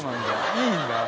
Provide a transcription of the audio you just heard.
いいんだ。